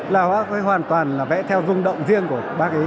là bác ấy hoàn toàn vẽ theo rung động riêng của bác ấy